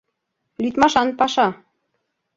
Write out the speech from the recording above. Лӱдмашан паша!